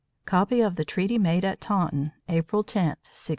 COPY OF THE TREATY MADE AT TAUNTON, APRIL 10, 1671.